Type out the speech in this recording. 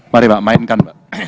mari pak mainkan